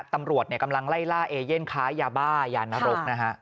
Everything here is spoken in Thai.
ตำรวจกำลังไล่ล่าเอเย่นค้ายาบ้ายานรกนะฮะ